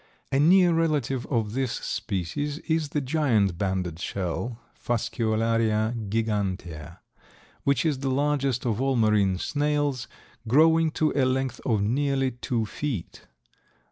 A near relative of this species is the giant banded shell (Fasciolaria gigantea), which is the largest of all marine snails, growing to a length of nearly two feet.